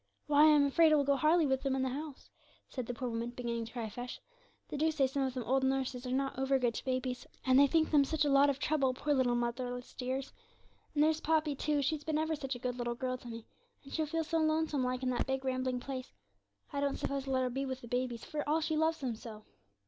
'Why, I'm afraid it will go hardly with them in the House,' said the poor woman, beginning to cry afresh. 'They do say some of them old nurses are not over good to babies, and they think 'em such a lot of trouble, poor little motherless dears! And there's Poppy, too; she's been ever such a good little girl to me, and she'll feel so lonesome like in that big, rambling place. I don't suppose they'll let her be with the babies, for all she loves them so.'